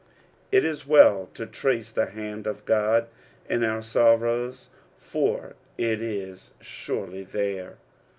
It is well to tisce the band qf Qod in our sorrows, for it is trurely there.